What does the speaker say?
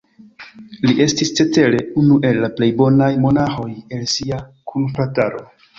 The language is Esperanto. Li estis, cetere, unu el la plej bonaj monaĥoj el sia kunfrataro.